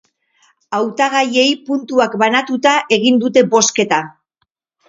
Hautagaiei puntuak banatuta egin dute bozketa.